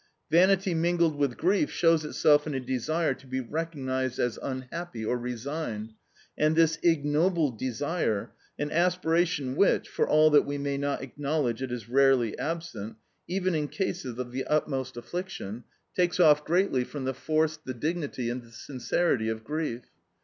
Vanity mingled with grief shows itself in a desire to be recognised as unhappy or resigned; and this ignoble desire an aspiration which, for all that we may not acknowledge it is rarely absent, even in cases of the utmost affliction takes off greatly from the force, the dignity, and the sincerity of grief.